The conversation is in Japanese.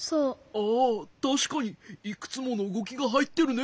ああたしかにいくつものうごきがはいってるね。